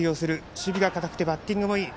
守備が堅くてバッティングもいい。